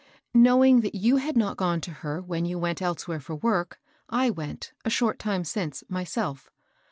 Knowing that you had not gone to her when you went elsewhere for work, I went, a short time since, myself.